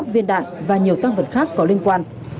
bốn trăm ba mươi một viên đạn và nhiều tăng vật khác có liên quan